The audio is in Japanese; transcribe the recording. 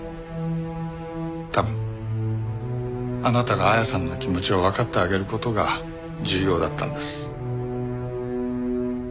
多分あなたが亜矢さんの気持ちをわかってあげる事が重要だったんです。